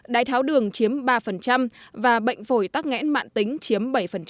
đái tháo đường chiếm ba và bệnh phổi tắc nghẽn mạng tính chiếm bảy